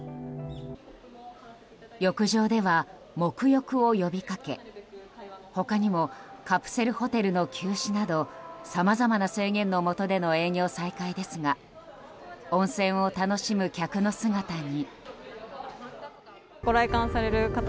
浴場では、黙浴を呼びかけ他にもカプセルホテルの休止などさまざまな制限のもとでの営業再開ですが温泉を楽しむ客の姿に。